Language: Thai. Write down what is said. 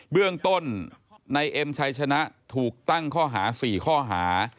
เบื้องต้นนายเอ็มชัยชนะถูกตั้งข้อหา๔ข้อหา